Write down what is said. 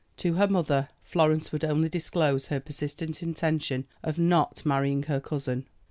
To her mother Florence would only disclose her persistent intention of not marrying her cousin.